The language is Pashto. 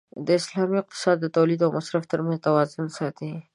د اسلام اقتصاد د تولید او مصرف تر منځ توازن ساتي.